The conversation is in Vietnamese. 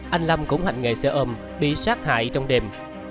anh lâm cũng hạnh nghệ xe ôm bị sát hại trong đêm